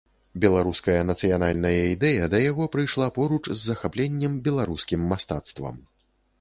Беларуская нацыянальная ідэя да яго прыйшла поруч з захапленнем беларускім мастацтвам.